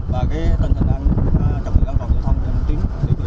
và cái tình hình đang trọng lực an toàn cho thông tin